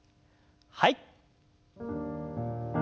はい。